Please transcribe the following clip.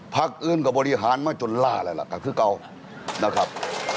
ภักดิ์อื่นก็บริหารมาจนล่าอะไรล่ะกับคือเกานะครับ